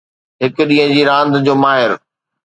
هڪ ڏينهن جي راند جو ماهر